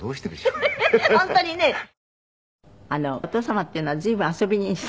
お父様っていうのは随分遊び人。